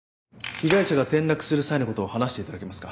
被害者が転落する際のことを話していただけますか。